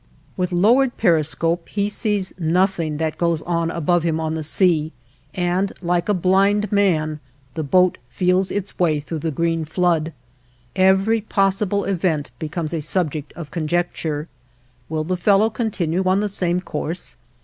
With lowered periscope, he sees nothing that goes on above him on the sea, and like a blind man the boat feels its way through the green flood. Every possible event becomes a subject of conjecture. Will the fellow continue on the same course?